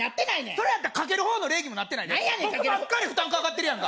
それやったらかける方の礼儀もなってないで僕ばっかり負担かかってるやんか